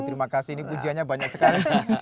terima kasih ini pujiannya banyak sekali